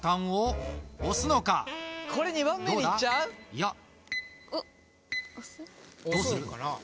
いやどうするかな？